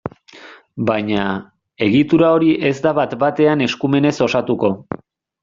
Baina, egitura hori ez da bat-batean eskumenez osatuko.